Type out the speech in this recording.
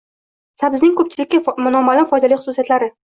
Sabzining ko‘pchilikka noma’lum foydali xususiyatlari